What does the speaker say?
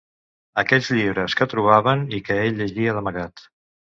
Aquells llibres que trobaven i que ell llegia d'amagat